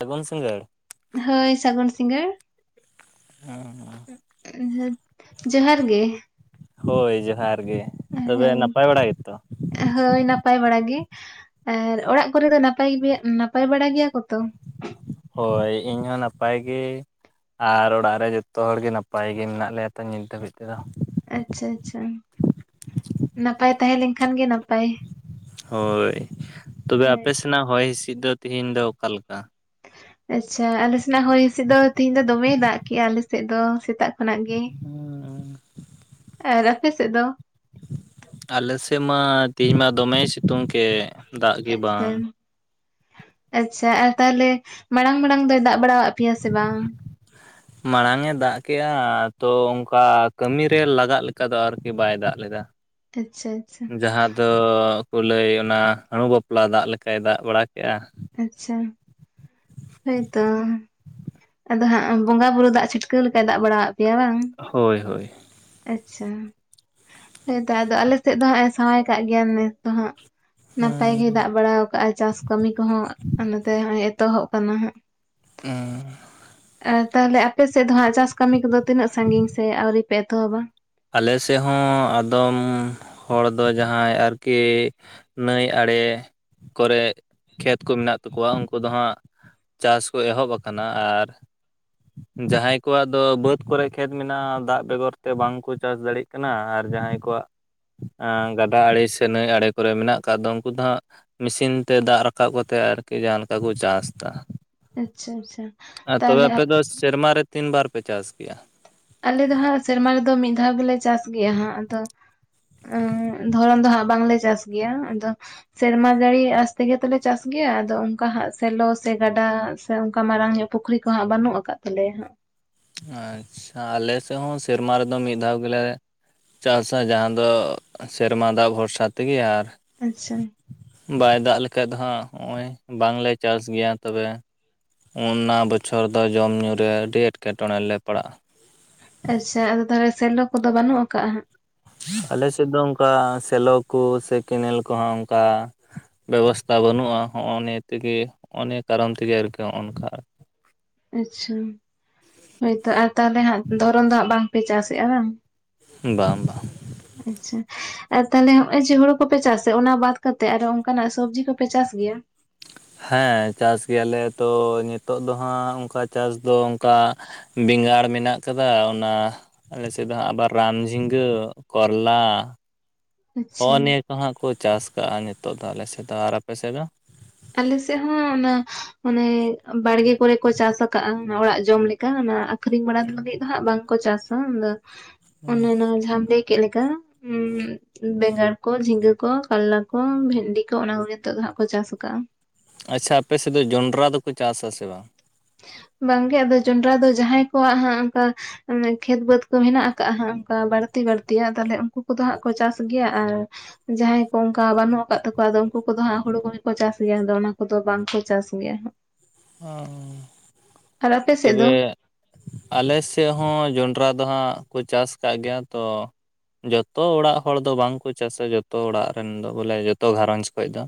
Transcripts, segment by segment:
ᱥᱟᱹᱜᱩᱱ ᱥᱤᱸᱜᱟᱹᱲ᱾ ᱦᱳᱭ ᱥᱟᱹᱜᱩᱱ ᱥᱤᱸᱜᱟᱹᱲ᱾ [unintelligible] ᱡᱚᱦᱟᱨ ᱜᱮ᱾ ᱦᱳᱭ ᱡᱚᱦᱟᱨ ᱜᱮ, ᱛᱚᱵᱮ ᱦᱳᱭ ᱱᱟᱯᱟᱭ ᱵᱟᱲᱟ ᱜᱮᱛᱚ? ᱦᱳᱭ ᱱᱟᱯᱟᱭ ᱵᱟᱲᱟ ᱜᱮ᱾ ᱟᱨ ᱚᱲᱟᱜ ᱠᱚᱨᱮ ᱫᱚ ᱱᱟᱯᱟᱭ ᱵᱮᱭᱟᱜ ᱱᱟᱯᱟᱭ ᱵᱟᱲᱟ ᱜᱮᱭᱟ ᱠᱚᱛᱚ? ᱦᱳᱭ ᱤᱧ ᱦᱚᱸ ᱱᱟᱯᱟᱭ ᱜᱮ᱾ ᱟᱨ ᱚᱲᱟᱜ ᱨᱮ ᱡᱷᱚᱛᱚ ᱦᱚᱲ ᱜᱮ ᱱᱟᱯᱟᱭ ᱜᱮ ᱢᱮᱱᱟᱜ ᱞᱮᱭᱟ ᱛᱚ ᱱᱤᱛ ᱫᱷᱟᱹᱵᱤᱡ ᱛᱮᱫᱚ᱾ ᱟᱪᱪᱷᱟ ᱟᱪᱪᱷᱟ ᱱᱟᱯᱟᱭ ᱛᱟᱦᱮᱸ ᱞᱮᱱ ᱠᱷᱟᱱ ᱜᱮ ᱱᱟᱯᱟᱭ᱾ ᱦᱳᱭ ᱛᱚᱵᱮ ᱦᱳᱭ ᱟᱯᱮ ᱥᱮᱱᱟᱜ ᱦᱚᱭ ᱦᱤᱸᱥᱤᱫ ᱫᱚ ᱛᱤᱦᱤᱧ ᱫᱚ ᱚᱠᱟᱞᱮᱠᱟ? ᱟᱪᱪᱷᱟ ᱟᱞᱮ ᱥᱮᱱᱟᱜ ᱦᱚᱭ ᱦᱤᱸᱥᱤᱫ ᱫᱚ ᱛᱤᱦᱤᱧ ᱫᱚ ᱫᱚᱢᱮᱭ ᱫᱟᱜ ᱠᱮᱜᱼᱟ ᱟᱞᱮᱥᱮᱫ ᱫᱚ ᱥᱮᱛᱟᱜ ᱠᱷᱚᱱᱟᱜ ᱜᱮ᱾ ᱟᱨ ᱟᱯᱮ ᱥᱮᱫ ᱫᱚ? ᱟᱞᱮ ᱥᱮᱫ ᱢᱟ ᱛᱤᱦᱤᱧ ᱢᱟ ᱫᱚᱢᱮᱭ ᱥᱤᱛᱩᱝ ᱠᱮᱫ᱾ ᱫᱟᱜ ᱜᱮ ᱟᱪᱪᱷᱟ᱾ ᱵᱟᱝ ᱟᱪᱪᱷᱟ ᱟᱨ ᱛᱟᱦᱚᱞᱮ ᱢᱟᱲᱟᱝ ᱢᱟᱲᱟᱝ ᱫᱚᱭ ᱫᱟᱜ ᱵᱟᱲᱟᱣᱟᱫ ᱯᱮᱭᱟ ᱥᱮ ᱵᱟᱝ? [inaudible] ᱢᱟᱲᱟᱝ-ᱮ ᱫᱟᱜ ᱠᱮᱜᱼᱟ ᱛᱚ ᱚᱱᱠᱟ ᱠᱟᱹᱢᱤ ᱨᱮ ᱞᱟᱜᱟᱜ ᱞᱮᱠᱟ ᱫᱚ ᱟᱨᱠᱤ ᱵᱟᱭ ᱫᱟᱜ ᱞᱮᱫᱟ᱾ ᱟᱪᱪᱷᱟ ᱟᱪᱪᱷᱟ᱾ ᱡᱟᱦᱟᱸ ᱫᱚ ᱠᱩ ᱞᱟᱹᱭ ᱚᱱᱟ ᱦᱟᱸᱬᱩ ᱵᱟᱯᱞᱟ ᱫᱟᱜ ᱞᱮᱠᱟᱭ ᱫᱟᱜ ᱵᱟᱲᱟᱠᱮᱜ-ᱟ᱾ ᱟᱪᱪᱷᱟ᱾ ᱦᱳᱭᱛᱚ ᱟᱫᱚ ᱦᱟᱸᱜ ᱵᱚᱸᱜᱟ ᱵᱩᱨᱩ ᱫᱟᱜ ᱪᱷᱤᱴᱠᱟᱹᱣ ᱞᱮᱠᱟᱭ ᱫᱟᱜ ᱵᱟᱲᱟᱣᱟᱜ ᱯᱮᱭᱟ ᱵᱟᱝ᱾ ᱦᱳᱭ ᱦᱳᱭ᱾ ᱟᱪᱪᱷᱟ ᱦᱮᱸ ᱛᱚ ᱟᱫᱚ ᱟᱞᱮᱥᱮᱫ ᱫᱚ ᱦᱟᱸᱜ ᱮ ᱥᱟᱶᱟᱭ ᱠᱟᱜ ᱜᱮᱭᱟ ᱱᱮᱥ ᱫᱚ ᱦᱟᱸᱜ᱾ ᱱᱟᱯᱟᱭ ᱜᱮᱭ ᱦᱩᱸ ᱫᱟᱜ ᱵᱟᱲᱟᱣ ᱟᱠᱟᱜ-ᱟᱭ ᱪᱟᱥ ᱠᱟᱹᱢᱤ ᱠᱚᱦᱚᱸ ᱚᱱᱟᱛᱮ ᱮᱛᱚᱦᱚᱵ ᱠᱟᱱᱟ ᱦᱟᱸᱜ᱾ ᱚᱸᱻ ᱟᱨ ᱛᱟᱦᱚᱞᱮ ᱟᱯᱮ ᱥᱮᱫ ᱫᱚ ᱦᱟᱸᱜ ᱪᱟᱥ ᱠᱟᱹᱢᱤ ᱠᱚᱫᱚ ᱛᱤᱱᱟᱹᱜ ᱥᱟᱺᱜᱤᱧ ᱥᱮ ᱟᱹᱣᱨᱤ ᱯᱮ ᱮᱛᱚᱦᱚᱵᱟ? ᱟᱞᱮ ᱥᱮᱫ ᱦᱚᱸ ᱟᱫᱚᱢ ᱦᱚᱲ ᱫᱚ ᱡᱟᱦᱟᱸᱭ ᱟᱨᱠᱤ ᱱᱟᱹᱭ ᱟᱲᱮ ᱠᱚᱨᱮᱜ ᱠᱷᱮᱛ ᱠᱚ ᱢᱮᱱᱟᱜ ᱛᱟᱠᱚᱣᱟ ᱩᱝᱠᱩ ᱫᱚ ᱦᱟᱸᱜ ᱪᱟᱥ ᱠᱚ ᱮᱦᱚᱵ ᱟᱠᱟᱱᱟ ᱟᱨ ᱡᱟᱦᱟᱸᱭ ᱠᱚᱣᱟᱜ ᱫᱚ ᱵᱟᱹᱫᱽ ᱠᱚᱨᱮᱜ ᱠᱷᱮᱛ ᱢᱮᱱᱟᱜ-ᱟ, ᱫᱟᱜ ᱵᱮᱜᱚᱨ ᱛᱮ ᱵᱟᱝᱠᱚ ᱪᱟᱥ ᱫᱟᱲᱮᱜ ᱠᱟᱱᱟ ᱟᱨ ᱡᱟᱦᱟᱸᱭ ᱠᱚᱣᱟᱜ ᱟᱸ ᱜᱟᱰᱟ ᱟᱲᱮ ᱥᱮ ᱱᱟᱹᱭ ᱟᱲᱮ ᱠᱚᱨᱮ ᱢᱮᱱᱟᱜ ᱟᱠᱟᱫ ᱫᱚ ᱩᱜᱠᱩ ᱫᱚ ᱦᱟᱸᱜ ᱢᱤᱥᱤᱱ ᱛᱮ ᱫᱟᱜ ᱨᱟᱠᱟᱵ ᱠᱟᱛᱮ ᱟᱨᱠᱤ ᱡᱟᱦᱟᱸ ᱞᱮᱠᱟ ᱠᱚ ᱪᱟᱥ ᱫᱟ᱾ ᱟᱪᱪᱷᱟ ᱟᱪᱪᱷᱟ ᱟᱨ ᱛᱚᱵᱮ ᱛᱟᱦᱚᱞᱮ ᱟᱯᱮ ᱫᱚ ᱥᱮᱨᱢᱟ ᱨᱮ ᱛᱤᱱ ᱵᱟᱨ ᱯᱮ ᱪᱟᱥ ᱜᱮᱭᱟ? ᱟᱞᱮ ᱫᱚ ᱦᱟᱸᱜ ᱥᱮᱨᱢᱟ ᱨᱮᱫᱚ ᱢᱤᱫ ᱫᱷᱟᱣ ᱜᱮᱞᱮ ᱪᱟᱥ ᱜᱮᱭᱟ ᱦᱟᱸᱜ ᱟᱫᱚ ᱮᱸ ᱫᱷᱚᱨᱚᱱ ᱫᱚ ᱦᱟᱸᱜ ᱵᱟᱝᱞᱮ ᱪᱟᱥ ᱜᱮᱭᱟ ᱟᱫᱚ ᱥᱮᱨᱢᱟ ᱡᱟᱹᱲᱤ ᱟᱥ ᱛᱮᱜᱮ ᱛᱚᱞᱮ ᱪᱟᱥ ᱜᱮᱭᱟ᱾ ᱟᱫᱚ ᱚᱝᱠᱟ ᱦᱟᱸᱜ ᱥᱮᱞᱚ ᱥᱮ ᱜᱟᱰᱟ ᱥᱮ ᱚᱝᱠᱟ ᱢᱟᱨᱟᱝ ᱧᱚᱜ ᱯᱩᱠᱷᱨᱤ ᱠᱚ ᱦᱟᱸᱜ ᱵᱟᱹᱱᱩᱜ ᱟᱠᱟᱫ ᱛᱟᱞᱮᱭᱟ ᱦᱟᱸᱜ᱾ ᱟᱪᱪᱷᱟ ᱟᱞᱮ ᱥᱮᱫ ᱦᱚᱸ ᱥᱮᱨᱢᱟ ᱨᱮᱫᱚ ᱢᱤᱫ ᱫᱷᱟᱣ ᱜᱮᱞᱮ ᱪᱟᱥᱟ ᱡᱟᱦᱟᱸ ᱫᱚ ᱥᱮᱨᱢᱟ ᱫᱟᱜ ᱵᱷᱚᱨᱥᱟ ᱛᱮᱜᱮ ᱟᱨ ᱟᱪᱪᱷᱟ᱾ ᱵᱟᱭ ᱫᱟᱜ ᱞᱮᱠᱟᱡ ᱫᱚ ᱦᱟᱸᱜ ᱦᱚᱸᱜ-ᱚᱭ ᱵᱟᱝᱞᱮ ᱪᱟᱥ ᱜᱮᱭᱟ ᱛᱚᱵᱮ᱾ ᱚᱱᱱᱟ ᱵᱚᱪᱷᱚᱨ ᱫᱚ ᱡᱚᱢ-ᱧᱩ ᱨᱮ ᱟᱹᱰᱤ ᱮᱴᱠᱮᱴᱚᱬᱮ ᱞᱮ ᱯᱟᱲᱟᱜ-ᱟ᱾ ᱟᱪᱪᱷᱟ ᱟᱫᱚ ᱛᱟᱦᱚᱞᱮ ᱥᱮᱞᱚ ᱠᱚᱫᱚ ᱵᱟᱹᱱᱩᱜ ᱟᱠᱟᱜ-ᱟ ᱦᱟᱸᱜ? ᱟᱞᱮ ᱥᱮᱫ ᱫᱚ ᱚᱝᱠᱟ ᱥᱮᱞᱚ ᱠᱩ ᱥᱮ ᱠᱮᱱᱮᱞ ᱠᱚᱦᱚᱸ ᱚᱝᱠᱟ ᱵᱮᱵᱚᱥᱛᱟ ᱵᱟᱹᱱᱩᱜ-ᱟ᱾ ᱦᱚᱸᱜᱼᱚ ᱱᱤᱭᱟᱹ ᱛᱮᱜᱮ ᱦᱚᱸᱜ-ᱚ ᱱᱤᱭᱟᱹ ᱠᱟᱨᱚᱱ ᱛᱮᱜᱮ ᱟᱨᱠᱤ ᱦᱚᱸᱜ-ᱚᱱᱠᱟ ᱟᱨ᱾ ᱟᱪᱪᱷᱟ᱾ ᱦᱳᱭᱛᱳ ᱟᱨ ᱛᱟᱦᱚᱞᱮ ᱦᱟᱸᱜ ᱫᱷᱚᱨᱚᱱ ᱫᱚ ᱦᱟᱸᱜ ᱵᱟᱝᱯᱮ ᱪᱟᱥᱮᱜ-ᱟ ᱦᱟᱝ? ᱦᱩᱸ ᱵᱟᱝ ᱵᱟᱝ᱾ ᱟᱪᱪᱷᱟ᱾ ᱟᱨ ᱛᱟᱦᱚᱞᱮ ᱦᱚᱸᱜ-ᱚᱭ ᱡᱮ ᱦᱩᱲᱩ ᱠᱚᱯᱮ ᱪᱟᱥᱮᱫ, ᱚᱱᱟ ᱵᱟᱫᱽ ᱠᱟᱛᱮᱜ ᱟᱨᱚ ᱚᱝᱠᱟᱱᱟᱜ ᱥᱚᱵᱽᱡᱤ ᱠᱚᱯᱮ ᱪᱟᱥ ᱜᱮᱭᱟ? ᱦᱮᱸ ᱪᱟᱥ ᱜᱮᱭᱟᱞᱮ ᱛᱚ ᱱᱤᱛᱳᱜ ᱫᱚ ᱦᱟᱸᱜ ᱚᱝᱠᱟ ᱪᱟᱥ ᱫᱚ ᱚᱝᱠᱟ ᱵᱮᱸᱜᱟᱲ ᱢᱮᱱᱟᱜ ᱟᱠᱟᱫᱟ ᱚᱱᱟ ᱟᱞᱮ ᱥᱮᱫ ᱫᱚ ᱦᱟᱸᱜ ᱟᱵᱟᱨ ᱨᱟᱢ ᱡᱷᱤᱸᱜᱟᱹ, ᱠᱚᱨᱞᱟ ᱟᱪᱪᱷᱟ ᱦᱚᱸᱜ-ᱚ ᱱᱤᱭᱟᱹ ᱠᱚ ᱦᱟᱸᱜ ᱠᱚ ᱪᱟᱥ ᱠᱟᱜ-ᱟ ᱱᱤᱛᱚᱜ ᱫᱚ ᱟᱞᱮ ᱥᱮᱫ ᱫᱚ ᱟᱨ ᱟᱯᱮ ᱥᱮᱫ ᱫᱚ? ᱟᱞᱮ ᱥᱮᱫ ᱦᱚᱸ ᱚᱱᱟ ᱚᱱᱮ ᱵᱟᱲᱜᱮ ᱠᱚᱨᱮ ᱠᱚ ᱪᱟᱥ ᱟᱠᱟᱫ-ᱟ, ᱚᱱᱟ ᱚᱲᱟᱜ ᱡᱚᱢ ᱞᱮᱠᱟ ᱚᱱᱟ ᱟᱠ ᱟᱹᱠᱷᱨᱤᱧ ᱵᱟᱲᱟ ᱞᱟᱹᱜᱤᱫ ᱫᱚ ᱦᱟᱸᱜ ᱵᱟᱝᱠᱚ ᱪᱟᱥᱟ᱾ ᱟᱫᱚ ᱚᱱᱮ ᱚᱱᱟ ᱡᱟᱦᱟᱢ ᱞᱟᱹᱭ ᱠᱮᱫ ᱞᱮᱠᱟ ᱦᱩᱸ ᱵᱮᱸᱜᱟᱲ ᱠᱚ ᱡᱷᱤᱸᱜᱟᱹ ᱠᱚ ᱠᱟᱨᱞᱟ ᱠᱚ ᱵᱷᱮᱱᱰᱤ ᱠᱚ ᱚᱱᱟ ᱠᱚ ᱱᱤᱛᱚᱜ ᱫᱚ ᱦᱟᱸᱜ ᱠᱚ ᱪᱟᱥᱟ᱾ ᱠᱟᱜ-ᱟ᱾ ᱟᱪᱪᱷᱟ ᱟᱯᱮᱥᱮᱫ ᱫᱚ ᱡᱚᱱᱰᱨᱟ ᱫᱚᱠᱚ ᱪᱟᱥ-ᱟ ᱥᱮ ᱵᱟᱝ? ᱵᱟᱝᱜᱮ ᱟᱫᱚ ᱡᱚᱱᱰᱨᱟ ᱫᱚ ᱡᱟᱦᱟᱸᱭ ᱠᱚᱣᱟᱜ ᱦᱟᱸᱜ ᱚᱝᱠᱟ ᱩᱸ ᱠᱷᱮᱛ ᱵᱟᱹᱫᱽ ᱠᱚ ᱦᱮᱱᱟᱜ ᱠᱟᱜ-ᱟ ᱦᱟᱸᱜ ᱚᱝᱠᱟ ᱵᱟᱹᱲᱛᱤ ᱵᱟᱹᱲᱛᱤᱭᱟᱜ ᱛᱟᱦᱚᱞᱮ ᱩᱝᱠᱩ ᱠᱚᱫᱚ ᱦᱟᱸᱜ ᱠᱚ ᱪᱟᱥ ᱜᱮᱭᱟ ᱟᱨ ᱡᱟᱦᱟᱸᱭ ᱠᱚ ᱚᱝᱠᱟ ᱵᱟᱹᱱᱩᱜ ᱟᱠᱟᱫ ᱛᱟᱠᱚᱣᱟ ᱟᱫᱚ ᱩᱝᱠᱩ ᱫᱚ ᱦᱟᱸᱜ ᱦᱩᱲᱩ ᱠᱚᱜᱮ ᱠᱚ ᱪᱟᱥ ᱜᱮᱭᱟ, ᱟᱫᱚ ᱚᱱᱟ ᱠᱚᱫᱚ ᱵᱟᱝᱠᱚ ᱪᱟᱥ ᱜᱮᱭᱟ ᱦᱟᱸᱜ᱾ ᱚᱸ᱾ ᱟᱨ ᱟᱯᱮ ᱥᱮᱫ ᱫᱚ ᱛᱚᱵᱮ ᱟᱞᱮ ᱥᱮᱫ ᱦᱚᱸ ᱡᱚᱱᱰᱨᱟ ᱫᱚ ᱦᱟᱸᱜ ᱠᱚ ᱪᱟᱥ ᱠᱟᱜ ᱜᱮᱭᱟ ᱛᱚ ᱡᱚᱛᱚ ᱚᱲᱟᱜ ᱦᱚᱲ ᱫᱚ ᱵᱟᱝᱠᱚ ᱪᱟᱥᱟ᱾ ᱡᱚᱛᱚ ᱚᱲᱟᱜ ᱨᱮᱱ ᱫᱚ ᱵᱚᱞᱮ ᱡᱚᱛᱚ ᱜᱷᱟᱨᱚᱸᱡᱽ ᱠᱷᱚᱡ ᱫᱚ᱾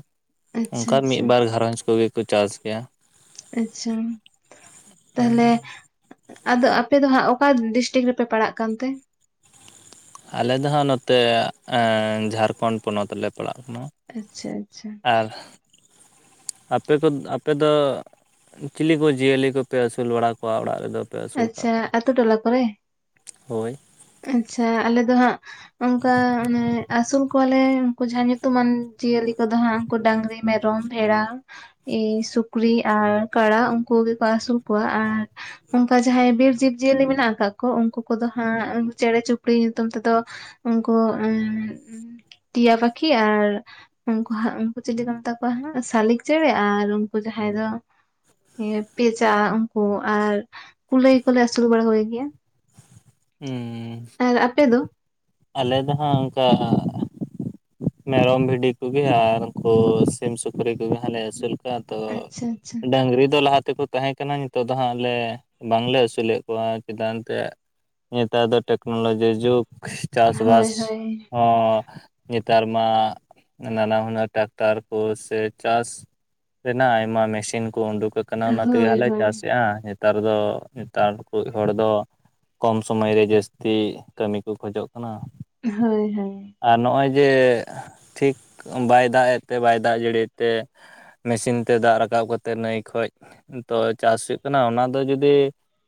ᱟᱪᱪᱷᱟ ᱚᱝᱠᱟᱱ ᱟᱪᱪᱷᱟ ᱢᱤᱫᱵᱟᱨ ᱜᱷᱟᱨᱚᱧᱡᱽ ᱠᱚᱜᱮ ᱠᱚ ᱪᱟᱥ ᱜᱮᱭᱟ᱾ ᱟᱪᱪᱷᱟ ᱛᱟᱦᱚᱞᱮ ᱟᱫᱚ ᱟᱯᱮ ᱫᱚ ᱦᱟᱸᱜ ᱚᱠᱟ ᱰᱤᱥᱴᱤᱠ ᱨᱮᱯᱮ ᱯᱟᱲᱟᱜ ᱠᱟᱱ ᱛᱮ? ᱟᱞᱮ ᱫᱚ ᱦᱟᱸᱜ ᱱᱚᱛᱮ ᱮᱸ ᱡᱷᱟᱲᱠᱷᱚᱸᱰ ᱯᱚᱱᱚᱛᱞᱮ ᱯᱟᱲᱟᱜ ᱠᱟᱱᱟ᱾ ᱟᱪᱪᱷᱟ ᱟᱪᱪᱷᱟ ᱟᱨ ᱟᱯᱮ ᱠᱚᱫ ᱟᱯᱮ ᱫᱚ ᱪᱤᱞᱤᱠ ᱠᱚ ᱡᱤᱭᱟᱹᱞᱤ ᱠᱚᱯᱮ ᱟᱹᱥᱩᱞ ᱵᱟᱲᱟ ᱠᱚᱣᱟ ᱚᱲᱟᱜ ᱨᱮᱫᱚ? ᱯᱮ ᱟᱹᱥᱩᱞ ᱟᱠᱟᱫ ᱟᱪᱪᱷᱟ ᱠᱚᱣᱟ ᱟᱛᱳ ᱦᱳᱭ᱾ ᱟᱪᱷᱟ ᱟᱞᱮ ᱫᱚ ᱦᱟᱸᱜ᱾ ᱚᱱᱠᱟ ᱚᱱᱮ ᱟᱹᱥᱩᱞ ᱠᱚᱣᱟᱞᱮ ᱩᱱᱠᱩ ᱡᱟᱦᱟᱸ ᱧᱩᱛᱩᱢᱟᱱ ᱡᱤᱭᱟᱹᱞᱤ ᱠᱚᱫᱚ ᱦᱟᱸᱟᱜ᱾ ᱰᱟᱝᱨᱤ, ᱢᱮᱨᱚᱢ, ᱵᱷᱮᱲᱟ᱾ ᱮ ᱥᱩᱠᱨᱤ ᱟᱨ ᱠᱟᱲᱟᱟ ᱩᱱᱠᱩ ᱜᱮᱠᱚ ᱟᱹᱥᱩᱞ ᱠᱚᱣᱟ ᱟᱨ᱾ ᱚᱱᱠᱟ ᱡᱟᱦᱟᱸᱭ ᱵᱤᱨ ᱡᱤᱵ ᱡᱤᱭᱟᱹᱞᱤ ᱢᱮᱱᱟᱜ ᱟᱠᱟᱫ ᱠᱚ ᱩᱱᱠᱩ ᱠᱚᱫᱚ ᱦᱟᱸᱜ᱾ ᱪᱮᱬᱮ ᱪᱩᱯᱲᱤ ᱧᱩᱛᱩᱢ ᱛᱮᱫᱚ ᱩᱱᱠᱩ ᱴᱤᱭᱟ ᱯᱟᱠᱷᱤ ᱟᱨ᱾ ᱩᱱᱠᱩ ᱦᱟᱸᱜ ᱩᱱᱠᱩ ᱪᱤᱞᱤ ᱠᱚ ᱢᱮᱛᱟ ᱠᱚᱣᱟ ᱦᱜ ᱥᱟᱞᱤᱠ ᱪᱮᱬᱮ ᱟᱨ ᱩᱱᱠᱩ ᱡᱟᱦᱟᱸᱭ ᱫᱚ᱾ ᱯᱮᱪᱟ ᱩᱱᱠᱩ ᱟᱨ ᱠᱩᱞᱟᱹᱭ ᱠᱚᱞᱮ ᱟᱹᱥᱩᱞ ᱵᱟᱲᱟ ᱜᱮᱭᱟ᱾ ᱦᱩᱸ᱾ ᱟᱨ ᱟᱯᱮ ᱫᱚ᱾ ᱟᱞᱮ ᱫᱚ ᱦᱟᱜ ᱚᱱᱠᱟ᱾ ᱢᱮᱨᱚᱢ ᱵᱷᱤᱰᱤᱠᱜᱤ ᱟᱨ ᱩᱱᱠᱩ ᱥᱤᱢ ᱥᱩᱠᱨᱤ ᱠᱚᱜᱮᱦᱞᱮ ᱟᱹᱥᱩᱞ ᱠᱚᱣᱟ᱾ ᱛᱫᱚ ᱟᱪᱪᱷᱟ ᱟᱪᱪᱷᱟ ᱰᱟᱹᱝᱨᱤ ᱫᱚ ᱞᱟᱦᱟ ᱛᱮᱠᱚ ᱛᱟᱦᱮᱸ ᱠᱟᱱᱟ᱾ ᱠᱟᱱᱟ ᱱᱤᱛᱚᱜ ᱫᱚ ᱦᱟᱸᱜᱞᱮ ᱵᱟᱝᱞᱮ ᱟᱹᱥᱩᱞᱮᱫ ᱠᱚᱣᱟ ᱪᱮᱫᱟᱜ ᱛᱮ᱾ ᱱᱮᱛᱟᱨ ᱫᱚ ᱴᱮᱠᱱᱳᱞᱚᱡᱤ ᱡᱩᱜᱽ ᱪᱟᱥᱵᱟᱥ ᱦᱳᱭ ᱦᱳᱭ ᱦᱚᱸ᱾ ᱱᱮᱛᱟᱨ ᱢᱟ ᱱᱟᱱᱟ ᱦᱩᱱᱟᱹᱨ ᱴᱨᱟᱠᱴᱟᱨ ᱠᱚ ᱥᱮ ᱪᱟᱥ᱾ ᱨᱮᱱᱟᱜ ᱟᱭᱢᱟ ᱢᱮᱥᱤᱱ ᱠᱚ ᱩᱰᱩᱠ ᱟᱠᱟᱱᱟ ᱚᱱᱟ ᱛᱮᱜᱮ ᱦᱳᱭ ᱦᱞᱮ ᱦᱳᱭ ᱪᱟᱥᱮᱫᱼᱟ ᱾ ᱱᱮᱛᱟᱨ ᱫᱚ ᱱᱮᱛᱟᱨ ᱠᱚ ᱦᱚᱲ ᱫᱚ᱾ ᱠᱚᱢ ᱥᱚᱢᱚᱭ ᱨᱮ ᱡᱟᱹᱥᱛᱤ ᱠᱟᱹᱢᱤ ᱠᱚ ᱠᱷᱚᱡᱚᱜ ᱠᱟᱱᱟ᱾ ᱦᱳᱭ ᱦᱳᱭ᱾ ᱟᱨ ᱱᱚᱜᱼᱚᱭ ᱡᱮ ᱴᱷᱤᱠ ᱵᱟᱭ ᱫᱟᱜ ᱮᱫ ᱛᱮ ᱵᱟᱭ ᱫᱟᱜ ᱡᱟᱹᱲᱤᱭ ᱛᱮ᱾ ᱢᱮᱥᱤᱱ ᱛᱮ ᱫᱟᱜ ᱨᱟᱠᱟᱵ ᱠᱟᱛᱮᱜ ᱱᱟᱹᱭ ᱠᱷᱚᱱᱚᱡ ᱛᱚ ᱪᱟᱥ ᱦᱩᱭᱩᱜ ᱠᱟᱱᱟ ᱚᱱᱟ ᱫᱚ ᱡᱩᱚᱫᱤ᱾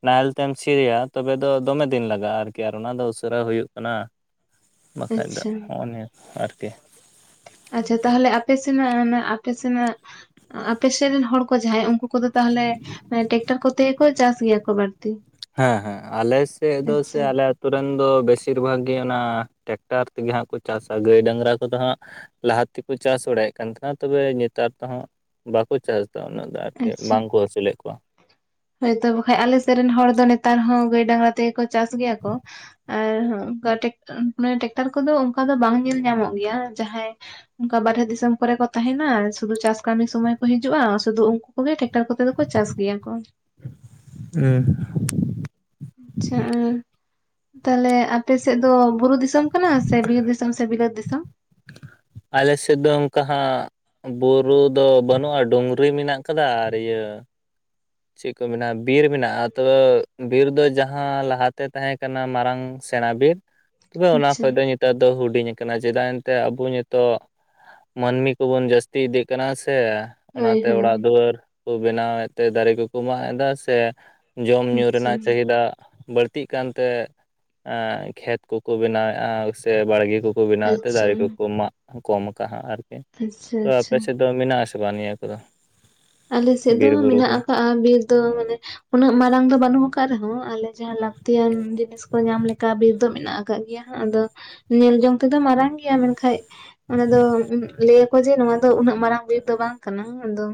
ᱱᱟᱦᱮᱞ ᱛᱮᱢ ᱥᱤᱨᱤᱭᱟ ᱛᱚᱵᱮ ᱫᱚᱢᱮ ᱫᱤᱱ ᱞᱟᱜᱟᱜᱼᱟ ᱟᱨᱠᱤ ᱟᱨ ᱚᱱᱟ ᱫᱚ ᱩᱥᱟᱹᱨᱟ ᱦᱩᱭᱩᱜ᱾ ᱠᱟᱱᱟ ᱵᱟᱠᱷᱟᱡ ᱫᱚ ᱟᱪᱪᱷᱟ ᱦᱚᱸᱜᱼᱚ ᱱᱤᱭᱟᱹ ᱟᱨᱠᱤ᱾ ᱟᱪᱷᱟ ᱛᱟᱦᱚᱞᱮ ᱟᱯᱮ ᱥᱮᱱᱟᱜ ᱟᱯᱮ ᱥᱮᱱᱟᱜ ᱟᱯᱮᱥᱮᱫ ᱨᱮᱱ ᱦᱚᱲ ᱠᱚ ᱡᱟᱦᱟᱸᱭ ᱩᱱᱠᱩ᱾ ᱩᱱᱠᱩᱫᱚ ᱛᱟᱦᱚᱞᱮ ᱴᱮᱠᱴᱟᱨ ᱠᱚᱛᱮ ᱜᱮ ᱠᱚ ᱪᱟᱥ ᱜᱮᱭᱟ ᱠᱚ ᱵᱟᱹᱲᱛᱤ᱾ ᱦᱮᱸ ᱦᱮᱸ ᱟᱞᱮᱮᱥᱮᱫ ᱫᱚ ᱥᱮ ᱟᱪᱪᱷᱟ ᱟᱞᱮ᱾ ᱟᱛᱳ ᱨᱮᱱ ᱫᱚ ᱵᱮᱥᱤᱨ ᱵᱷᱟᱜᱽ ᱜᱮ ᱚᱱᱟ ᱴᱮᱠᱴᱟᱨ ᱛᱮᱜᱮ ᱦᱟᱸᱜ ᱠᱚ ᱪᱟᱥᱟ ᱜᱟᱹᱭ ᱰᱟᱝᱨᱟ ᱠᱚᱫᱚ ᱦᱟᱸᱜ᱾ ᱞᱟᱦᱟᱛᱮᱠᱚ ᱪᱟᱥ ᱵᱟᱲᱟᱭᱮᱫ ᱠᱟᱱ ᱛᱟᱦᱮᱱᱟ ᱛᱚᱵᱮ ᱱᱮᱛᱟᱨ ᱛᱮᱦᱚᱸ ᱵᱟᱠᱚ ᱪᱟᱥᱮᱫᱫᱟ ᱩᱱᱟᱹᱜ᱾ ᱟᱨᱠᱤ ᱟᱪᱪᱷᱟ ᱵᱟᱝ ᱠᱚ ᱟᱹᱥᱩᱞᱮᱫ ᱠᱚᱣᱟ᱾ ᱦᱳᱭᱛᱚ ᱵᱟᱠᱷᱟᱱ ᱟᱞᱮ ᱥᱮᱫ ᱨᱮᱱ ᱦᱚᱲ ᱫᱚ ᱱᱮᱛᱟᱨ ᱦᱚᱸ ᱜᱟᱹᱭ ᱰᱟᱝᱨᱟ ᱛᱮᱜᱮ ᱠᱚ ᱪᱟᱥ ᱜᱮᱭᱟ ᱠᱚ᱾ ᱟᱨᱚᱱᱮ ᱴᱮᱠᱴᱟᱨ ᱠᱚᱫᱚ ᱚᱱᱠᱟ ᱫᱚ ᱵᱟᱝ ᱧᱮᱞ ᱧᱟᱢᱚᱜ ᱜᱮᱭᱟ ᱡᱟᱦᱟᱸᱭ᱾ ᱚᱱᱠᱟ ᱵᱟᱨᱦᱮ ᱫᱤᱥ ᱫᱤᱥᱚᱢ ᱠᱚᱨᱮ ᱠᱚ ᱛᱟᱦᱮᱱᱟ ᱥᱩᱫᱷᱩ ᱪᱟᱥ ᱠᱟᱹᱢᱤ ᱥᱩᱢᱟᱹᱭ ᱠᱚ ᱦᱤᱡᱩᱜᱼᱟ ᱥᱩᱫᱩ ᱩᱱᱠᱩ ᱠᱚᱜᱮ ᱴᱮᱠᱴᱟᱨ ᱠᱚᱛᱮ ᱫᱚᱠᱚ ᱪᱟᱥ᱾ ᱱᱤᱭᱟᱹ ᱠᱚ᱾ ᱦᱩ᱾ ᱟᱪᱷᱟ ᱟᱨ᱾ ᱛᱟᱦᱚᱞᱮ ᱟᱯᱮ ᱥᱮᱫ ᱫᱚ ᱵᱩᱨᱩ ᱫᱤᱥᱚᱢ ᱠᱟᱱᱟ ᱥᱮ ᱵᱤᱨ ᱫᱤᱥᱚᱢ ᱥᱮ ᱵᱟᱹᱛ ᱫᱤᱥᱚᱢ? ᱟᱞᱮ ᱥᱮᱫ ᱫᱚ ᱚᱱᱠᱟᱸ᱾ ᱵᱩᱨᱩ ᱫᱚ ᱵᱟᱹᱱᱩᱜᱼᱟ ᱰᱩᱝᱨᱤ ᱢᱮᱱᱟᱜ ᱠᱟᱫᱟ ᱟᱨ ᱤᱭᱟᱹ, ᱪᱮᱫ ᱠᱚ ᱢᱮᱱᱟᱜᱼᱟ ᱵᱤᱨ ᱢᱮᱱᱟᱜᱼᱟ ᱛᱚ ᱵᱤᱨ ᱫᱚ ᱡᱟᱦᱟᱸ ᱞᱟᱦᱟᱛᱮ ᱛᱟᱦᱮᱸ ᱠᱟᱱᱟ ᱢᱟᱨᱟᱝ ᱥᱮᱬᱟ ᱵᱤᱨ᱾ ᱛᱚᱵᱮ ᱚᱱᱟ ᱟᱪᱪᱷᱟ ᱠᱷᱚᱱ ᱫᱚ ᱱᱮᱛᱟᱨ ᱫᱚ ᱦᱩᱰᱤᱧ ᱟᱠᱟᱱᱟ ᱪᱮᱫᱟᱜ ᱮᱱᱛᱮ ᱟᱵᱚ ᱱᱤᱛᱚᱜ᱾ ᱢᱟᱹᱱᱢᱤ ᱠᱚᱵᱚᱱ ᱡᱟᱹᱥᱛᱤ ᱤᱫᱤᱜ ᱠᱟᱱᱟ ᱥᱮ᱾ ᱦᱳᱭ ᱚᱱᱟᱛᱮ ᱦᱳᱭ ᱚᱲᱟᱜ ᱫᱩᱣᱟᱹᱨ ᱠᱚ ᱵᱮᱱᱟᱣᱮᱫ ᱛᱮ ᱫᱟᱨᱮ ᱠᱚᱠᱚ ᱢᱟᱜ ᱮᱫᱟ ᱥᱮ᱾ ᱡᱚᱢ ᱧᱩ ᱟᱪᱪᱷᱟ ᱨᱮᱱᱟᱜ ᱪᱟᱹᱦᱤᱫᱟ ᱵᱟᱹᱲᱛᱤ᱾ ᱜᱟᱛᱤᱜ ᱠᱟᱱᱛᱮ ᱠᱷᱮᱛ ᱠᱚᱠᱚ ᱵᱮᱱᱟᱣᱮᱫᱼᱟ ᱥᱮ ᱵᱟᱲᱜᱮ ᱠᱚ ᱵᱮᱱᱟᱣ ᱛᱮ ᱟᱪᱪᱷᱟ ᱫᱟᱨᱮ ᱠᱚᱠᱚ ᱢᱟᱜ ᱠᱚᱢ ᱠᱟᱜᱼᱟ ᱟᱨᱠᱤ ᱟᱪᱪᱷᱟ ᱛᱚ ᱟᱯᱮ ᱟᱪᱪᱷᱟ ᱥᱮᱫ ᱫᱚ ᱢᱮᱱᱟᱜᱥᱮ ᱵᱟᱝ ᱱᱤᱭᱟᱹ ᱠᱚᱫᱚ ᱟᱞᱮ ᱥᱮᱫ ᱫᱚ ᱵᱤᱨ ᱵᱩᱨᱩ ᱢᱮᱱᱟᱜ ᱠᱚ? ᱟᱠᱟᱜᱼᱟ ᱵᱤᱨ ᱫᱚ, ᱢᱟᱱᱮ ᱩᱱᱟᱹᱜ ᱢᱟᱨᱟᱝ ᱫᱚ ᱵᱟᱹᱱᱩᱜ ᱟᱠᱟᱫ ᱨᱮᱦᱚᱸ ᱟᱞᱮ ᱡᱟᱦᱟᱸ ᱞᱟᱹᱠᱛᱤᱭᱟᱱ ᱡᱤᱱᱤᱥ ᱠᱚ ᱧᱟᱢ ᱞᱮᱠᱟ ᱵᱤᱨ ᱫᱚ ᱢᱮᱱᱟᱜ ᱟᱠᱟ ᱜᱮᱭᱟ ᱦᱟᱸᱜ᱾ᱟᱫᱚ ᱧᱮᱞ ᱡᱚᱝ ᱛᱮᱫᱚ ᱢᱟᱨᱟᱝ ᱜᱮᱭᱟ, ᱢᱮᱱᱠᱷᱟᱡ ᱚᱱᱟ ᱫᱚ ᱞᱟᱹᱭ ᱟᱠᱚ ᱡᱮ ᱱᱚᱣᱟ ᱫᱚ ᱩᱱᱟᱹᱜ ᱢᱟᱨᱟᱝ ᱵᱤᱨ ᱫᱚ ᱵᱟᱝ ᱠᱟᱱᱟ᱾ ᱟᱫᱚ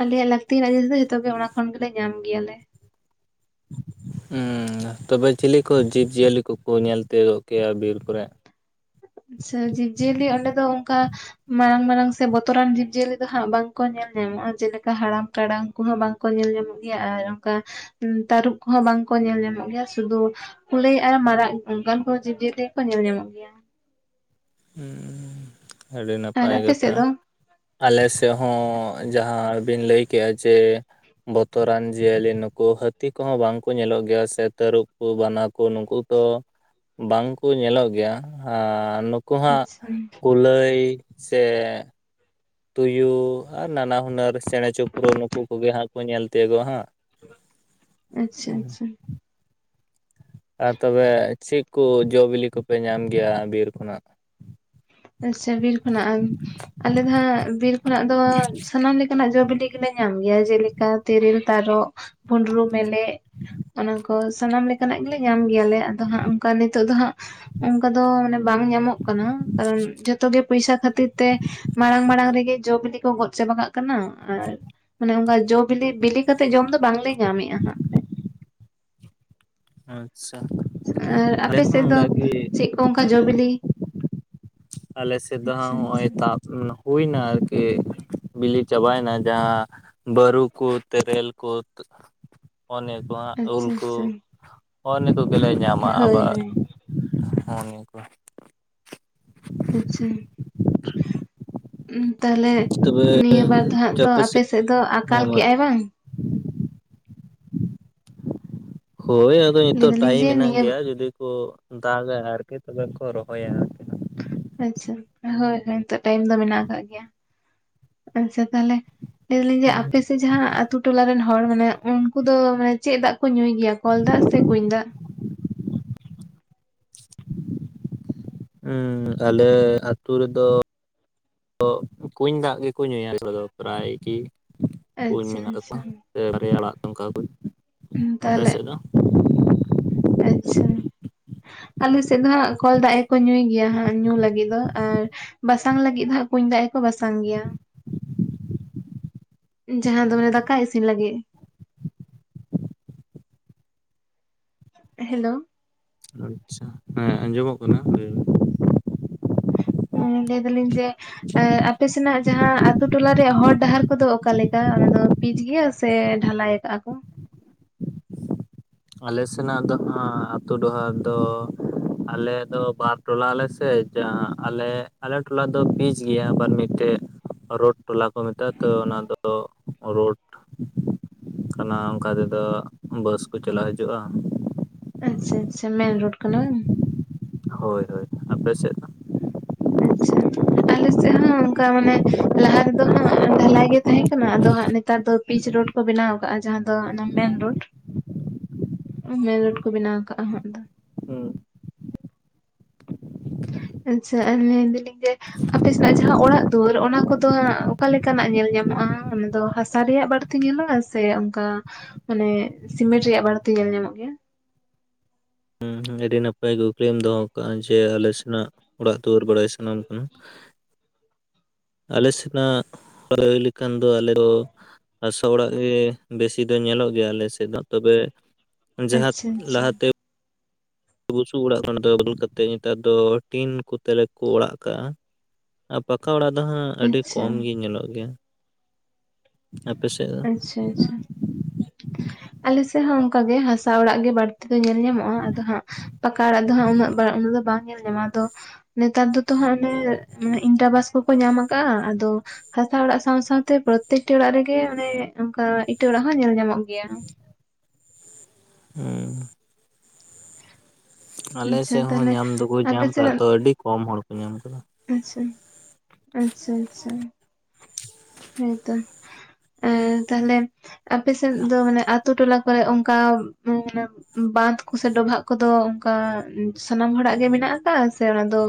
ᱟᱞᱮᱭᱟᱜ ᱞᱟᱹᱠᱛᱱᱟᱜ ᱡᱤᱱᱤᱥ ᱫᱚ ᱡᱚᱛᱚ ᱜᱮ ᱚᱱᱟ ᱠᱷᱚᱱ ᱜᱮᱞᱮ ᱧᱟᱢ ᱜᱮᱭᱟ ᱞᱮ᱾ ᱦᱮᱸ ᱛᱚᱵᱮ ᱪᱤᱞᱤ ᱠᱚ ᱡᱤᱵᱽᱼᱡᱤᱭᱟᱹᱞᱤ ᱠᱚᱠᱚ ᱧᱮᱞ ᱛᱤᱭᱳᱜ-ᱚᱜ ᱠᱮᱭᱟ ᱵᱤᱨ ᱠᱚᱨᱮ? ᱟᱪᱪᱷᱟ, ᱡᱤᱵᱽ-ᱡᱤᱭᱟᱹᱞᱤ ᱚᱸᱰᱮ ᱫᱚ ᱚᱱᱠᱟ ᱢᱟᱨᱟᱝ ᱢᱟᱨᱟᱝ ᱥᱮ ᱵᱚᱛᱚᱨᱟᱱ ᱡᱤᱵᱽ-ᱡᱤᱭᱟᱹᱞᱤ ᱫᱚ ᱦᱟᱸᱜ ᱵᱟᱝᱠᱚ ᱧᱮᱞ ᱧᱟᱢᱚᱜᱼᱟ᱾ ᱡᱮᱞᱮᱠᱟ ᱦᱟᱲᱟᱢ ᱴᱟᱲᱟᱝ ᱠᱚᱦᱚᱸ ᱵᱟᱝ ᱠᱚ ᱧᱮᱞ ᱧᱟᱢᱚᱜ ᱜᱮᱭᱟ ᱟᱨ ᱚᱱᱠᱟ ᱛᱟᱹᱨᱩᱵ ᱠᱚᱦᱚᱸ ᱵᱟᱝ ᱠᱚ ᱧᱮᱞ ᱧᱟᱢᱚᱜ ᱜᱮᱭᱟ, ᱥᱩᱫᱩ ᱠᱩᱞᱟᱹᱭ ᱟᱨ ᱢᱟᱨᱟᱜ ᱚᱱᱠᱟᱱ ᱠᱚ ᱡᱤᱵᱽ-ᱡᱤᱭᱟᱹᱞᱤ ᱜᱮ ᱠᱚ ᱧᱮᱞ ᱧᱟᱢᱚᱜ ᱜᱮᱭᱟ᱾ ᱟᱹᱰᱤ ᱟᱨ ᱱᱟᱯᱟᱭ ᱟᱯᱮ ᱠᱟᱛᱷᱟ᱾ ᱥᱮᱫ ᱫᱚ ᱟᱞᱮ ᱥᱮᱫ ᱦᱚᱸ ᱡᱟᱦᱟᱸ ᱵᱤᱱ ᱞᱟᱹᱭ ᱠᱮᱜᱼᱟ ᱡᱮ, ᱵᱚᱛᱚᱨᱟᱱ ᱡᱤᱭᱟᱹᱞᱤ ᱱᱩᱠᱩ ᱦᱟᱹᱛᱤ ᱠᱚᱦᱚᱸ ᱵᱟᱝ ᱠᱚ ᱧᱮᱞᱚᱜ ᱜᱮᱭᱟ ᱥᱮ ᱛᱟᱹᱨᱩᱵ ᱠᱚ ᱵᱟᱱᱟ ᱠᱚ ᱱᱩᱠᱩ ᱛᱚ ᱵᱟᱝᱠᱚ ᱧᱮᱞᱚᱜ ᱜᱮᱭᱟ᱾ ᱱᱩᱠᱚ ᱦᱟᱸᱜ ᱟᱪᱪᱷᱟ ᱠᱩᱞᱟᱹᱭ ᱥᱮ ᱛᱩᱭᱩ ᱟᱨ ᱱᱟᱱᱟ ᱦᱩᱱᱟᱹᱨ ᱪᱮᱸᱬᱮ ᱪᱤᱯᱨᱩ ᱱᱩᱠᱩ ᱠᱚᱜᱮ ᱦᱟᱸᱜ ᱠᱚ ᱧᱮᱞ ᱛᱤᱭᱳᱜᱚᱜᱼᱟ ᱦᱟᱸᱜ᱾ ᱟᱪᱪᱷᱟ ᱟᱪᱪᱷᱟ, ᱟᱨ ᱛᱚᱵᱮ ᱪᱮᱫ ᱠᱚ ᱡᱚ-ᱵᱤᱞᱤ ᱠᱚᱯᱮ ᱧᱟᱢ ᱜᱮᱭᱟ ᱵᱤᱨ ᱠᱷᱚᱱᱟᱜ? ᱟᱪᱪᱷᱟ ᱵᱤᱨ ᱠᱷᱚᱱᱟᱜ ᱟᱞᱮ ᱫᱚ ᱦᱟᱸᱜ ᱵᱤᱨ ᱠᱷᱚᱱᱟᱜ ᱫᱚ ᱥᱟᱱᱟᱢ ᱞᱮᱠᱟᱱᱟᱜ ᱡᱚ ᱵᱤᱞᱤ ᱠᱚ ᱜᱮᱞᱮ ᱧᱟᱢ ᱜᱮᱭᱟ᱾ ᱡᱮᱞᱮᱠᱟ ᱛᱮᱨᱮᱞ, ᱛᱟᱨᱚᱵ, ᱵᱷᱩᱸᱰᱨᱩ, ᱢᱮᱞᱮ ᱚᱱᱟ ᱠᱚ ᱥᱟᱱᱟᱢ ᱞᱮᱠᱟᱱᱟᱜ ᱜᱮᱞᱮ ᱧᱟᱢ ᱜᱮᱭᱟᱞᱮ᱾ ᱟᱫᱚ ᱦᱟᱸᱜ ᱚᱱᱠᱟ ᱱᱤᱛᱚᱜ ᱫᱚ ᱦᱟᱸᱜ ᱚᱱᱠᱟ ᱫᱚ ᱢᱟᱱᱮ ᱵᱟᱝ ᱧᱟᱢᱚᱜ ᱠᱟᱱᱟ᱾ ᱠᱟᱨᱚᱱ ᱡᱚᱛᱚ ᱜᱮ ᱯᱚᱭᱥᱟ ᱠᱷᱟᱹᱛᱤᱨ ᱛᱮ ᱢᱟᱲᱟᱝ ᱢᱟᱲᱟᱝ ᱨᱮᱜᱮ ᱡᱚ-ᱵᱤᱞᱤ ᱠᱚ ᱜᱚᱫ ᱪᱟᱵᱟᱟᱜ ᱠᱟᱱᱟ᱾ ᱟᱨ ᱢᱟᱱᱮ ᱚᱱᱠᱟ ᱡᱚᱼ ᱵᱤᱞᱤ, ᱵᱤᱞᱤ ᱠᱟᱛᱮᱜ ᱡᱚᱢ ᱫᱚ ᱵᱟᱝᱞᱮ ᱧᱟᱢᱮᱼᱟ ᱦᱟᱸᱜ ᱠᱷᱟᱡ᱾ ᱟᱪᱪᱷᱟ, ᱟᱨ ᱟᱞᱮ ᱟᱯᱮ ᱦᱚᱸ ᱥᱮᱫ ᱫᱚ ᱚᱱᱠᱟᱜᱮ ᱪᱮᱫ ᱠᱚ ᱚᱱᱠᱟ ᱡᱚ-ᱵᱤᱞᱤ? ᱟᱞᱮ ᱥᱮᱫ ᱫᱚ ᱦᱟᱸᱜ ᱱᱚᱜ-ᱚᱭ ᱟᱪᱪᱷᱟ ᱛᱟᱯ ᱦᱩᱭᱱᱟ ᱟᱨᱠᱤ ᱵᱤᱞᱤ ᱪᱟᱵᱟᱭᱮᱱᱟ᱾ ᱡᱟᱦᱟᱸ ᱵᱟᱹᱨᱩ ᱠᱚ ᱛᱮᱨᱮᱞ ᱠᱚ ᱚᱱᱮᱠ ᱩᱞ ᱟᱪᱪᱷᱟ ᱠᱚ ᱟᱪᱪᱷᱟ ᱦᱚᱸᱜ ᱱᱤᱛᱚᱜ ᱜᱮᱞᱮ ᱧᱟᱢᱟ ᱦᱳᱭ ᱟᱵᱟᱨ ᱦᱳᱭ ᱦᱚᱸ ᱱᱤᱭᱟᱹ ᱠᱚ᱾ ᱟᱪᱪᱷᱟ, ᱛᱟᱦᱞᱮ ᱛᱚᱵᱮ ᱱᱤᱭᱟᱹ ᱵᱟᱨ ᱫᱚ ᱦᱟᱸᱜ ᱛᱚ ᱟᱯᱮ ᱥᱮᱫ ᱫᱚ ᱟᱠᱟᱞ ᱦᱮᱸ ᱢᱟ ᱠᱮᱭᱟᱭ ᱵᱟᱝ? ᱦᱳᱭ, ᱦᱳᱭ ᱞᱟᱹᱭ ᱱᱤᱛᱚᱜ ᱫᱟᱞᱤᱧ ᱴᱟᱭᱤᱢ ᱡᱮ ᱢᱮᱱᱟᱜ ᱱᱤᱭᱟᱹ ᱜᱮᱭᱟ ᱡᱩᱫᱤ ᱠᱚ ᱫᱟᱜᱟ ᱟᱨᱠᱤ ᱛᱚᱵᱮ ᱠᱚ ᱨᱚᱦᱚᱭᱟ᱾ ᱟᱪᱪᱷᱟ, ᱦᱳᱭ ᱦᱳᱭ ᱱᱤᱛᱳ ᱴᱟᱭᱤᱢ ᱫᱚ ᱢᱮᱱᱟᱜ ᱟᱠᱟᱜ ᱜᱮᱭᱟ ᱟᱪᱪᱷᱟ ᱛᱟᱦᱞᱮ᱾ ᱞᱟᱹᱭ ᱫᱟᱹᱞᱤᱧ ᱡᱮ ᱟᱯᱮ ᱥᱮᱫ ᱡᱟᱦᱟᱸ ᱟᱛᱳ ᱴᱚᱞᱟ ᱨᱮᱱ ᱦᱚᱲ ᱢᱟᱱᱮ ᱩᱱᱠᱩ ᱫᱚ ᱢᱟᱱᱮ ᱪᱮᱫ ᱫᱟᱜ ᱠᱚ ᱧᱩᱭ ᱜᱮᱭᱟ ᱠᱚᱞ ᱫᱟᱜ ᱥᱮ ᱠᱩᱧ ᱫᱟᱜ? [inaudible] ᱦᱮᱸᱟᱞᱮ ᱟᱹᱛᱩ ᱨᱮᱫᱚ ᱛᱚ ᱠᱩᱧ ᱫᱟᱜ ᱜᱮᱠᱚ ᱧᱩᱭᱟ ᱫᱚ ᱯᱨᱟᱭ ᱜᱤ᱾ ᱠᱩᱧ ᱟᱪᱪᱷᱟ ᱢᱮᱱᱟᱜ ᱛᱟᱠᱚᱣᱟ ᱟᱪᱪᱷᱟ ᱥᱮ ᱵᱟᱨᱭᱟᱲᱟᱜᱠᱟ ᱠᱚ᱾ ᱟᱯᱮ ᱛᱟᱦᱚᱞᱮ ᱥᱮᱫ ᱫᱚ? ᱟᱪᱪᱷᱟ᱾ ᱟᱞᱮ ᱥᱮᱫ ᱫᱚ ᱦᱟᱸᱜ ᱠᱚᱞ ᱫᱟᱜ ᱜᱮᱠᱚ ᱧᱩᱭ ᱜᱮᱭᱟ ᱦᱟᱸᱜ ᱧᱩ ᱞᱟᱹᱜᱤᱫ ᱫᱚ ᱟᱨᱼᱼ ᱵᱟᱥᱟᱝ ᱞᱟᱹᱜᱤᱫ ᱫᱚ ᱦᱟᱸᱜ ᱠᱩᱧ ᱫᱟᱜ ᱜᱮᱠᱚ ᱵᱟᱥᱟᱝ ᱜᱮᱭᱟ᱾ ᱡᱟᱦᱟᱸ ᱫᱚ ᱢᱟᱱᱮ ᱫᱟᱠᱟ ᱤᱥᱤᱱ ᱞᱟᱹᱜᱤᱫᱼᱼ ᱦᱮᱞᱳᱼᱼ ᱟᱪᱪᱷᱟ, ᱦᱮᱸ ᱟᱸᱡᱚᱢᱚᱜ ᱠᱟᱱᱟ ᱞᱟᱹᱭ ᱵᱤᱱ? ᱞᱟᱹᱭ ᱫᱟᱹᱞᱤᱧ ᱡᱮ, ᱮ ᱟᱯᱮ ᱥᱮᱱᱟᱜ ᱡᱟᱦᱟᱸ ᱟᱛᱩ ᱴᱚᱞᱟ ᱨᱮᱭᱟᱜ ᱦᱚᱨ ᱰᱟᱦᱟᱨ ᱠᱚᱫᱚ ᱚᱠᱟᱞᱮᱠᱟ ᱚᱱᱟ ᱫᱚᱼᱼ ᱯᱤᱪ ᱜᱤᱭᱟᱹ ᱥᱮ ᱰᱷᱟᱞᱟᱭ ᱟᱠᱟᱟᱜᱼᱟ ᱠᱚ? ᱟᱞᱮ ᱥᱮᱱᱟᱜ ᱫᱚ ᱦᱟᱸᱜ ᱟᱹᱛᱩ ᱰᱚᱦᱟᱨ ᱫᱚᱼᱼ ᱟᱞᱮ ᱫᱚ ᱵᱟᱨ ᱴᱚᱞᱟ ᱟᱞᱮ ᱥᱮ ᱡᱟᱦᱟᱸ ᱟᱞᱮ ᱟᱞᱮ ᱴᱚᱞᱟ ᱫᱚ ᱯᱤᱪ ᱜᱤᱭᱟ ᱟᱵᱟᱨ ᱢᱤᱫᱴᱮᱜᱼᱼ ᱨᱳᱰ ᱴᱚᱞᱟ ᱠᱚ ᱢᱮᱛᱟᱜᱼᱟ ᱛᱚ ᱚᱱᱟᱫᱚ ᱨᱳᱰᱼᱼ ᱠᱟᱱᱟ ᱚᱱᱠᱟ ᱛᱮᱫᱚ ᱵᱟᱹᱥ ᱠᱚ ᱪᱟᱞᱟᱜ ᱦᱤᱡᱩᱜᱼᱟ᱾ ᱟᱪᱪᱷᱟ ᱟᱪᱪᱷᱟ ᱢᱮᱱ ᱨᱳᱰ ᱠᱟᱱᱟ ᱵᱟᱝ? ᱦᱳᱭ ᱦᱳᱭ ᱟᱯᱮ ᱥᱮᱜ ᱫᱚ? ᱟᱪᱪᱷᱟ ᱟᱞᱮ ᱥᱮᱜ ᱦᱚᱸ ᱚᱝᱠᱟ ᱢᱟᱱᱮᱼᱼ ᱞᱟᱦᱟ ᱨᱮᱫᱚ ᱦᱟᱸᱜ ᱰᱷᱟᱞᱟᱭ ᱜᱮ ᱛᱟᱦᱮᱸ ᱠᱟᱱᱟ ᱟᱫᱚ ᱦᱟᱸᱜ ᱱᱮᱛᱟᱨ ᱫᱚ ᱯᱤᱪ ᱨᱳᱰ ᱠᱚ ᱵᱮᱱᱟᱣ ᱠᱟᱜᱟ ᱡᱟᱦᱟᱸ ᱫᱚ ᱚᱱᱟ ᱢᱮᱱ ᱨᱳᱰ᱾ ᱢᱮᱱᱨᱳᱰ ᱠᱚ ᱵᱮᱱᱟᱣ ᱠᱟᱜᱼᱟ ᱦᱟᱸᱜ ᱫᱚ᱾ ᱦᱩᱸ ᱟᱪᱪᱷᱟ ᱟᱨ ᱞᱟᱹᱭ ᱫᱚᱞᱤᱧ ᱡᱮᱼᱼ ᱟᱯᱮᱥᱮᱱᱟᱜ ᱡᱟᱦᱟᱸ ᱚᱲᱟᱜ ᱫᱩᱣᱟᱹᱨ ᱚᱱᱟ ᱠᱚᱫᱚ ᱚᱠᱟᱞᱮᱠᱟᱱᱟᱜ ᱧᱮᱞ ᱧᱟᱢᱚᱜᱼᱟ ᱚᱱᱟ ᱫᱚ ᱦᱟᱥᱟ ᱨᱮᱭᱟᱜ ᱵᱟᱹᱲᱛᱤᱼᱼ ᱛᱮ ᱧᱮᱞᱚᱜᱼᱟ ᱥᱮ ᱚᱱᱠᱟ ᱢᱟᱱᱮ ᱥᱤᱢᱮᱱᱴ ᱨᱮᱭᱟᱜ ᱵᱟᱹᱲᱛᱤ ᱧᱮᱞ ᱧᱟᱢᱚᱜ ᱜᱮᱭᱟ? ᱟᱹᱰᱤ ᱱᱟᱯᱟᱭ ᱠᱩᱠᱞᱤᱢ ᱫᱚᱦᱚ ᱠᱟᱜᱼᱟ ᱡᱮ ᱟᱞᱮ ᱥᱮᱱᱟᱜ ᱚᱲᱟᱜ ᱫᱩᱣᱟᱹᱨ ᱵᱟᱲᱟᱭ ᱥᱟᱱᱟᱢ ᱠᱟᱱᱟᱼᱼ ᱟᱞᱮ ᱥᱮᱱᱟᱜ ᱞᱟᱹᱭ ᱞᱮᱠᱷᱟᱱ ᱫᱚ ᱟᱞᱮ ᱫᱚᱼᱼ ᱦᱟᱥᱚᱜ ᱚᱲᱟᱜ ᱜᱮ ᱵᱮᱥᱤ ᱫᱚ ᱧᱮᱞᱚᱜ ᱜᱮᱭᱟ ᱟᱞᱮ ᱥᱮᱫ ᱫᱚ ᱛᱚᱵᱮ ᱡᱟᱦᱟᱸ ᱟᱪᱪᱷᱟ ᱟᱪᱪᱷᱟ ᱞᱟᱦᱟᱛᱮᱼᱼ ᱵᱩᱥᱩᱵ ᱚᱲᱟᱜ ᱠᱷᱚᱱ ᱫᱚ ᱵᱚᱫᱚᱞ ᱠᱟᱛᱮ ᱧᱤᱛᱟᱨ ᱫᱚ ᱴᱤᱱ ᱠᱚᱛᱮ ᱞᱮ ᱠᱚ ᱚᱲᱟᱜ ᱠᱟᱜᱼᱟ᱾ ᱟ ᱯᱟᱠᱟ ᱚᱲᱟᱜ ᱫᱚ ᱦᱟᱸᱜ ᱟᱹᱰᱤ ᱟᱪᱪᱷᱟ ᱠᱚᱢ ᱜᱤ ᱧᱮᱞᱚᱜ ᱜᱤᱭᱟ᱾ ᱟᱯᱮᱥᱮᱜᱼᱼ ᱟᱪᱪᱷᱟ ᱟᱪᱪᱷᱟ ᱟᱞᱮ ᱥᱮᱜ ᱦᱚᱸ ᱚᱝᱠᱟ ᱜᱮ ᱦᱟᱥᱟ ᱚᱲᱟᱜ ᱜᱮ ᱵᱟᱹᱲᱛᱤᱼᱼ ᱛᱮᱫᱚ ᱧᱮᱞ ᱧᱟᱢᱚᱜᱼᱟ ᱟᱫᱚ ᱦᱟᱸᱜ ᱯᱟᱠᱟ ᱚᱲᱟᱜ ᱫᱚ ᱦᱟᱸᱜ ᱩᱱᱟᱹ ᱵᱟ ᱩᱱᱟᱹᱜ ᱫᱚ ᱵᱟᱝ ᱧᱮᱞ ᱧᱟᱢᱚᱜᱼᱟ ᱟᱫᱚᱼᱼ ᱱᱮᱛᱟᱨ ᱫᱚᱛᱚ ᱦᱟᱸᱜ ᱚᱱᱮ ᱤᱱᱴᱟ ᱵᱟᱥ ᱠᱚᱠᱚ ᱧᱟᱢ ᱟᱠᱟᱫᱟᱼᱟ ᱟᱫᱚᱼᱼ ᱦᱟᱥᱟ ᱚᱲᱟᱜ ᱥᱟᱶ ᱥᱟᱶᱛᱮ ᱯᱨᱚᱛᱮᱠᱴᱤ ᱚᱲᱟᱜ ᱨᱮᱜᱮ ᱚᱱᱮ ᱚᱱᱠᱟ ᱤᱴᱟᱹ ᱚᱲᱟᱜ ᱦᱚᱸ ᱧᱮᱞ ᱧᱟᱢᱚᱜ ᱜᱮᱼᱼ ᱜᱮᱭᱟ᱾ ᱦᱩᱸ᱾ ᱟᱪᱪᱷᱟ ᱟᱞᱮᱥᱮᱜ ᱦᱚᱸ ᱛᱟᱦᱚᱞᱮ ᱧᱟᱢ ᱫᱩᱠᱩ ᱟᱯᱮ ᱧᱟᱢ ᱥᱮᱫ ᱠᱟᱜᱟ ᱛᱚ ᱟᱹᱰᱤ ᱠᱚᱢ ᱦᱚᱲ ᱠᱩ ᱧᱟᱢ ᱠᱟᱫᱟ᱾ ᱟᱪᱪᱷᱟ ᱟᱪᱪᱷᱟ ᱟᱪᱪᱷᱟ᱾ ᱦᱮᱸ ᱛᱳ ᱮᱸ ᱛᱟᱦᱞᱮᱼᱼ ᱟᱯᱮᱥᱮᱫ ᱫᱚ ᱢᱟᱱᱮ ᱟᱛᱳ ᱴᱚᱞᱟ ᱠᱚᱨᱮ ᱚᱱᱠᱟ ᱮ ᱢᱟᱱᱮᱼᱼ ᱵᱟᱸᱫᱷ ᱠᱚᱥᱮ ᱥᱮ ᱰᱚᱵᱷᱟᱜ ᱠᱚᱫᱚ ᱚᱱᱠᱟ ᱥᱟᱱᱟᱢ ᱦᱚᱲᱟᱜ ᱜᱮ ᱢᱮᱱᱟᱜ ᱠᱟᱜᱼᱟ ᱥᱮ ᱚᱱᱟ ᱫᱚᱼᱼ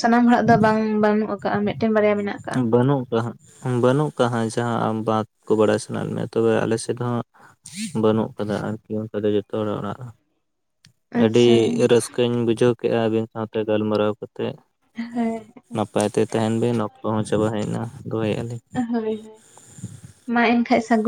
ᱥᱟᱱᱟᱢ ᱦᱚᱲᱟᱜ ᱫᱚ ᱵᱟᱝ ᱵᱟᱹᱱᱩᱜ ᱠᱟᱟᱜᱼᱟ ᱢᱤᱫᱼᱼ ᱵᱟᱹᱱᱩᱜ ᱠᱟᱜ-ᱟ ᱦᱟᱸᱜᱼᱼ ᱵᱟᱹᱱᱩᱜ ᱠᱟᱜᱼᱟ ᱦᱟᱸᱜ ᱡᱟᱦᱟᱸ ᱟᱢ ᱵᱟᱸᱫ ᱠᱚ ᱵᱟᱲᱟᱭ ᱥᱟᱱᱟᱭᱮᱫ ᱢᱮᱭᱟ ᱛᱚᱵᱮ ᱟᱞᱮ ᱥᱮᱫ ᱫᱚ ᱦᱟᱸᱜᱼᱼ ᱵᱟᱹᱱᱩᱜ ᱠᱟᱫᱟ ᱟᱨᱠᱤ ᱚᱱᱠᱟ ᱫᱚ ᱡᱚᱛᱚ ᱦᱚᱲᱟᱜ ᱚᱲᱟᱜᱼᱼ ᱟᱹᱰᱤ ᱟᱪᱪᱷᱟ ᱦᱮᱸ ᱨᱟᱹᱥᱠᱟᱹᱧ ᱵᱩᱡᱷᱟᱹᱣ ᱠᱮᱜᱼᱟ ᱟᱹᱵᱤᱱ ᱥᱟᱶᱛᱮ ᱜᱟᱞᱢᱟᱨᱟᱣ ᱠᱟᱛᱮᱜᱼᱼ ᱦᱳᱭ ᱱᱟᱯᱟᱭ ᱛᱮ ᱛᱟᱦᱮᱱ ᱵᱮᱱ ᱚᱠᱛᱚ ᱦᱚᱸ ᱪᱟᱵᱟ ᱦᱮᱡ ᱮᱱᱟ ᱫᱚᱦᱚᱭᱮᱜᱼᱟ ᱞᱤᱧ᱾ ᱦᱳᱭ ᱦᱳᱭ ᱢᱟ ᱮᱱᱠᱷᱟᱡ ᱥᱟᱹᱜᱩᱱᱼᱼ